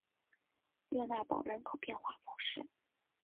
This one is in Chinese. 勒讷堡人口变化图示